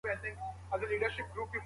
د لاس خط ښه کول دوامداره تمرین غواړي.